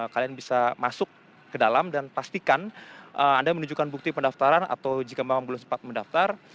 kalian bisa masuk ke dalam dan pastikan anda menunjukkan bukti pendaftaran atau jika memang belum sempat mendaftar